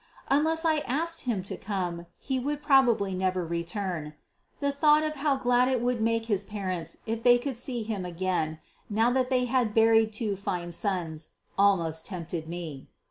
Unless I asked him to come, he would probably never return. The thought of how glad it would make his parents if they could see him again, now that they had buried two fine sons, almost tempted me.